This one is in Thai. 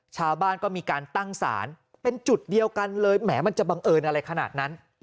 ชาวบ้านก็มีการตั้งศาลเป็นจุดเดียวกันเลยแหมมันจะบังเอิญอะไรขนาดนั้น